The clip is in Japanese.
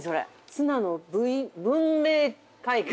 「ツナの文明開缶」。